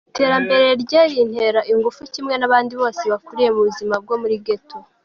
Iterambere rye rintera ingufu kimwe n’abandi bose bakuriye mu buzima bwo muri ghetto.